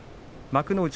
幕内